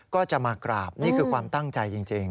ก็จะมากราบนี่คือความตั้งใจจริง